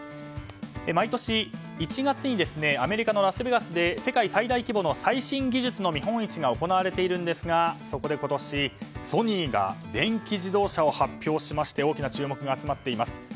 毎年１月にアメリカのラスベガスで世界最大規模の最新技術の見本市が行われているんですがそこで今年、ソニーが電気自動車を発表しまして大きな注目が集まっています。